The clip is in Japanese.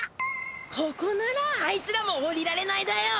ここならあいつらもおりられないだよ。